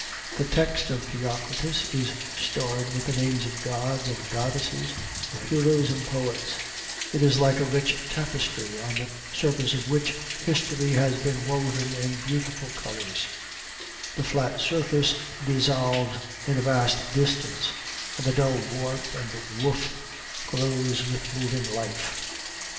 The text of Theocritus is starred with the names of gods and goddesses, of heroes and poets: it is like a rich tapestry, on the surface of which history has been woven in beautiful colors; the flat surface dissolves in a vast distance, and the dull warp and woof glows with moving life.